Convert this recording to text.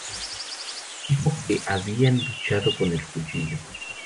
Dijo que habían luchado con el cuchillo.